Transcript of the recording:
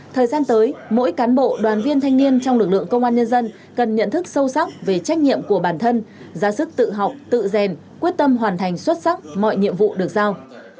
thời gian tới mỗi cán bộ đoàn viên thanh niên trong lực lượng công an nhân dân cần nhận thức sâu sắc về trách nhiệm của bản thân ra sức tự học tự rèn quyết tâm hoàn thành xuất sắc mọi nhiệm vụ được giao